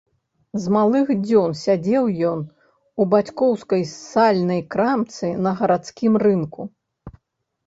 З малых дзён сядзеў ён у бацькоўскай сальнай крамцы на гарадскім рынку.